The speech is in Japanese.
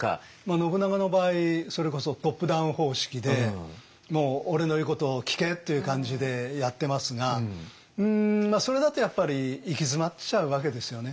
信長の場合それこそトップダウン方式でもう俺の言うことを聞けっていう感じでやってますがうんそれだとやっぱり行き詰まっちゃうわけですよね。